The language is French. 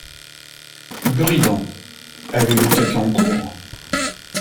Buridan ; avez-vous quelqu’un en cour ?